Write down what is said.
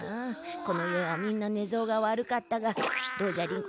この家はみんな寝相が悪かったがどうじゃりん子